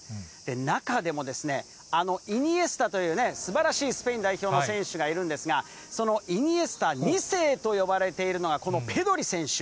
中でもですね、あのイニエスタというね、すばらしいスペイン代表の選手がいるんですが、そのイニエスタ２世と呼ばれているのが、このペドリ選手。